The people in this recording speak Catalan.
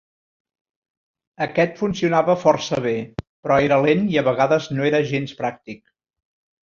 Aquest funcionava força bé, però era lent i a vegades no era gens pràctic.